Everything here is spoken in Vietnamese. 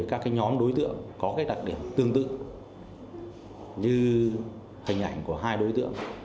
các nhóm đối tượng có đặc điểm tương tự như hình ảnh của hai đối tượng